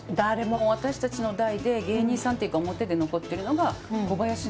私たちの代で芸人さんっていうか表で残ってるのが小林なのよ。